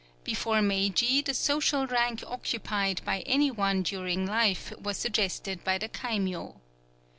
Before Meiji the social rank occupied by any one during life was suggested by the kaimyō.